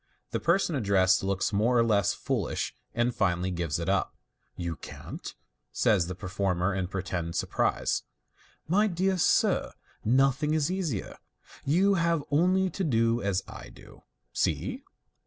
The person addressed looks more or less foolish, and finally " gives it up." " You can't ?" says the performer, in pretended surprise. " My dear sir, nothing is easier. You have only to do as I do. See